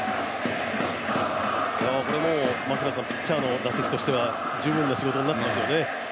ピッチャーの打席としては十分な仕事になっていますよね。